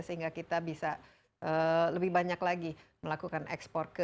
sehingga kita bisa lebih banyak lagi melakukan ekspor ke